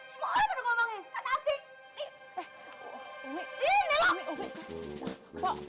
semua orang udah ngomongin